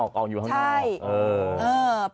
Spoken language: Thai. ออกมาอยู่ข้างนอก